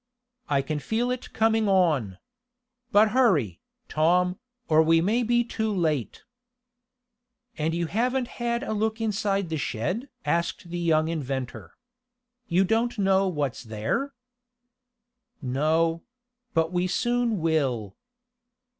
I can feel it coming on. But hurry, Tom, or we may be too late." "And you haven't had a look inside the shed?" asked the young inventor. "You don't know what's there?" "No; but we soon will."